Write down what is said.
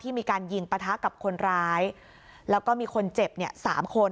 ที่มีการยิงประทะกับคนร้ายแล้วก็มีคนเจ็บ๓คน